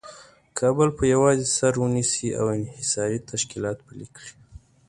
کابل په یوازې سر ونیسي او انحصاري تشکیلات پلي کړي.